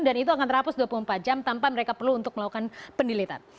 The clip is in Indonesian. dan itu akan terhapus dua puluh empat jam tanpa mereka perlu untuk melakukan pendilitan